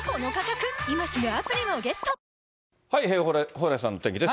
蓬莱さんのお天気です。